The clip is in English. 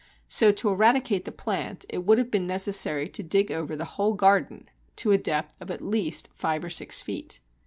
So to eradicate the plant it would have been necessary to dig over the whole garden to a depth of at least five or six feet.